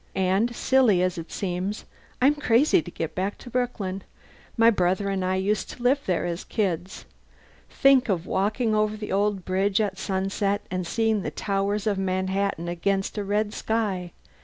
And silly as it seems, I'm crazy to get back to Brooklyn. My brother and I used to live there as kids. Think of walking over the old Bridge at sunset and seeing the towers of Manhattan against a red sky!